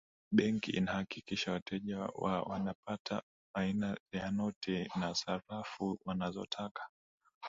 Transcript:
benki inahakikisha wateja wa wanapata aina ya noti na sarafu wanazotaka